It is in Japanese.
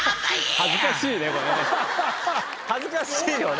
恥ずかしいよね。